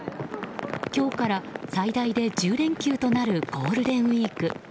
今日から最大で１０連休となるゴールデンウィーク。